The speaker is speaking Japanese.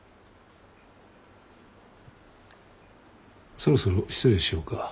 そろそろ失礼しようか。